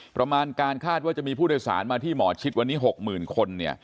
ประมาณการคาดว่าจะมีผู้โดยสารมาที่หมอชิดวันนี้๖๐๐๐คน